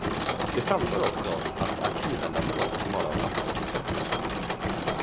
Det framgår också att arkivändamål kan vara av allmänt intresse.